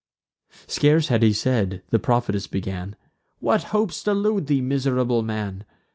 Scarce had he said, the prophetess began: "What hopes delude thee, miserable man?